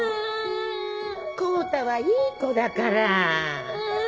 康太はいい子だから。